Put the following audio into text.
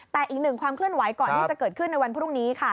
แต่อีกหนึ่งความเคลื่อนไหวก่อนที่จะเกิดขึ้นในวันพรุ่งนี้ค่ะ